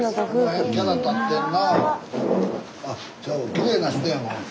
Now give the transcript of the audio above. きれいな人やもん。